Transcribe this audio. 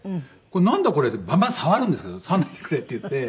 「なんだ？これ」ってバンバン触るんですけど「触らないでくれ」って言って。